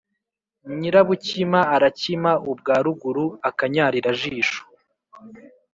Nyirabukima arakima ubwa ruguru-Akanyarirajisho.